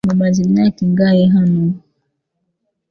Mumaze imyaka ingahe hano?